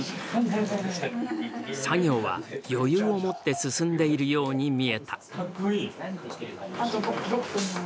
作業は余裕を持って進んでいるように見えた。